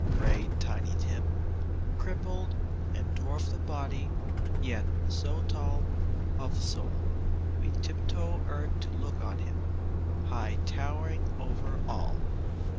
" prayed Tiny Tim, Crippled, and dwarfed of body, yet so tall Of soul, we tiptoe earth to look on him, High towering over all.